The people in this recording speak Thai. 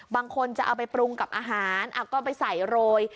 บางคนจะเอาไปปรุงกับอาหารก็ไปใส่โรย